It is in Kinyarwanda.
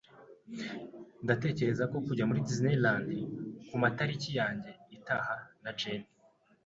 Ndatekereza kujya muri Disneyland kumatariki yanjye itaha na Jane.